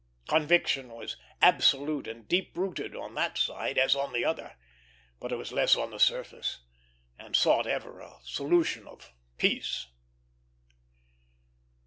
Conviction was absolute and deep rooted on that side as on the other; but it was less on the surface, and sought ever a solution of peace.